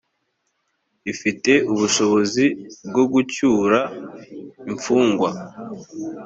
ifite ubushobozi bwo gucyura imfungwa.